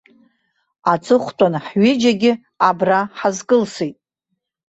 Аҵыхәтәан ҳҩыџьагьы абра ҳазкылсит.